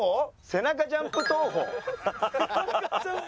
背中ジャンプ投法？